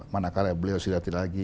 mana kali beliau silati lagi